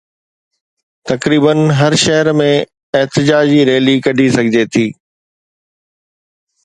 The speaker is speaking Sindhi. تقريبن هر شهر ۾ احتجاجي ريلي ڪڍي سگهجي ٿي